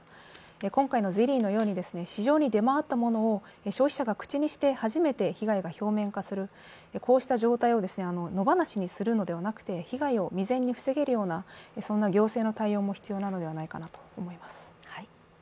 今回のゼリーのように、市場に出回ったものを消費者が口にして初めて被害が表面化する、こうした状態を野放しにするのではなくて被害を未然に防げるような行政の対応も必要なのではないかなと思います。